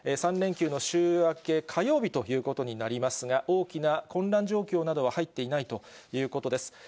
３連休の週明け、火曜日ということになりますが、大きな混乱情報などは入っていないということです。